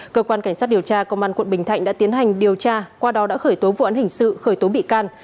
cơ quan cảnh sát điều tra công an quận bình thạnh đã tiến hành điều tra qua đó đã khởi tố vụ án hình sự khởi tố bị can